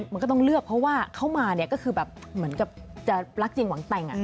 มันก็ต้องเลือกเพราะว่าเขามาเนี่ยก็คือแบบเหมือนกับจะรักจริงหวังแต่ง